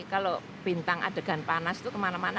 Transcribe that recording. kalau bintang adegan panas itu kemana mana